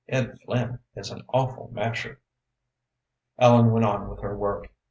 "Ed Flynn is an awful masher." Ellen went on with her work.